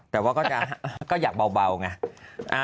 แต่ว่าก็จะอยากเบาไง